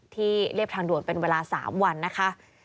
ที่เลพทางด่วนเป็นเวลา๓วันนะคะ